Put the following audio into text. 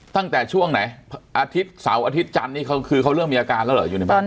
ตั้งแต่ช่วงไหนอาทิตย์เสาร์อาทิตย์จันทร์นี่คือเขาเริ่มมีอาการแล้วเหรออยู่ในบ้าน